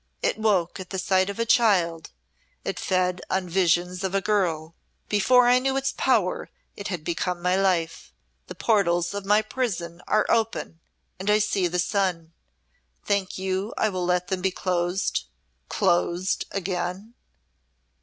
It woke at sight of a child, it fed on visions of a girl; before I knew its power it had become my life. The portals of my prison are open and I see the sun. Think you I will let them be closed be closed again?"